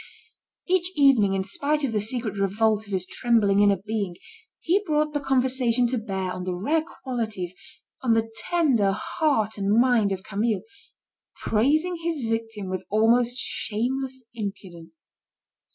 Each evening in spite of the secret revolt of his trembling inner being, he brought the conversation to bear on the rare qualities, on the tender heart and mind of Camille, praising his victim with most shameless impudence.